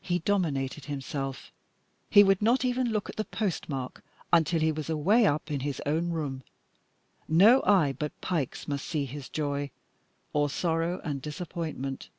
He dominated himself; he would not even look at the postmark until he was away up in his own room. No eye but Pike's must see his joy or sorrow and disappointment.